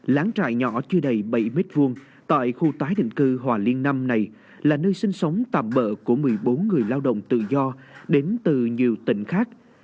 láng trại nhỏ chưa đầy bảy m hai tại khu tái định cư hòa liên năm này là nơi sinh sống tạm bỡ của một mươi bốn người lao động tự do đến từ nhiều tỉnh khác